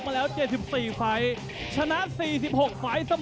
มากินที่๔แล้ว